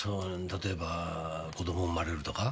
例えば子供生まれるとか？